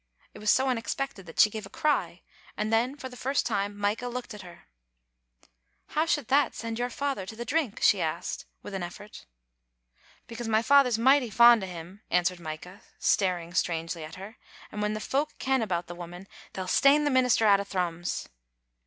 It was so unexpected that she gave a cry, and then for the first time Micah looked at her. "How should that send' your father to the drink?" she asked, with an effort. " Because my father's michty fond o' him," answered Micah, staring strangely at her; "and when the folk ken about the woman, they'll stane the minister out o' Thrums."